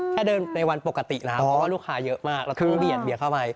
แค่เดินในวันปกติแล้วเพราะว่าลูกค้าเยอะมากเราต้องเบียดเข้าไป